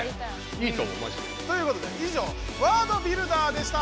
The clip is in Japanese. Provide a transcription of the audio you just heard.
いいと思うマジで。ということでいじょう「ワードビルダー！」でした！